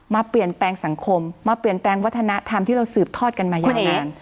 มาเปลี่ยนแปลงสังคมมาเปลี่ยนแปลงวัฒนธรรมที่เราสืบทอดกันมายาวนาน